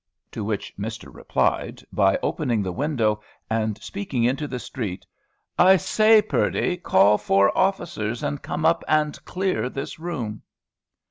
To which Mister replied, by opening the window, and speaking into the street, "I say, Purdy, call four officers and come up and clear this room."